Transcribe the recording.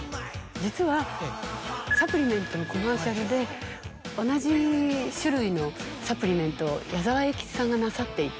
実はサプリメントのコマーシャルで同じ種類のサプリメントを矢沢永吉さんがなさっていて。